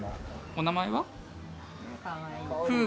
お名前は？